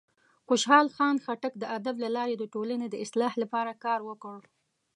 خوشحال خان خټک د ادب له لارې د ټولنې د اصلاح لپاره کار وکړ.